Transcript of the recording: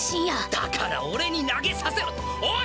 だから俺に投げさせろっておい！